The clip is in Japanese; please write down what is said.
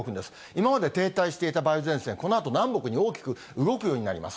今まで停滞していた梅雨前線、このあと南北に大きく動くようになります。